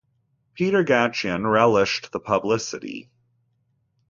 Peter Gatien relished the publicity.